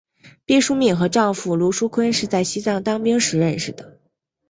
毕淑敏和丈夫芦书坤是在西藏当兵时认识的。